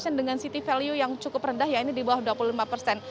pasien dengan city value yang cukup rendah ya ini di bawah dua puluh lima persen